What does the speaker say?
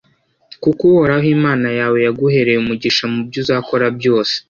kuko uhoraho imana yawe yaguhereye umugisha mu byo uzakora byose